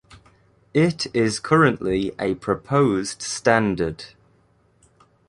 It is currently a Proposed Standard.